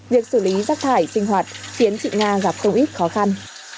việc xử lý rác thải sinh hoạt khiến chị nga gặp không ít khó khăn